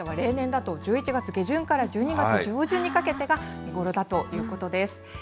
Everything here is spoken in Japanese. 養老渓谷、例年だと１１月下旬から１２月上旬にかけてが見頃だということです。